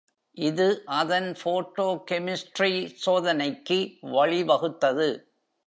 இது அதன் phytochemistry சோதனைக்கு வழிவகுத்தது.